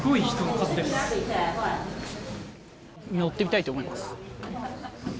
乗ってみたいと思います。